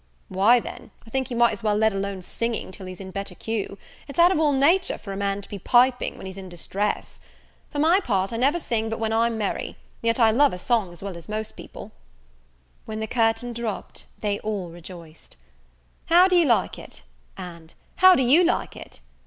"Why, then, I think he might as well let alone singing till he's in better cue: it's out of all nature for a man to be piping when he's in distress. For my part, I never sing but when I'm merry; yet I love a song as well as most people." When the curtain dropt they all rejoiced. "How do you like it?" and "How do you like it?"